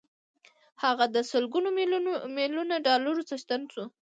هغه د سلګونه ميليونه ډالرو څښتن شو.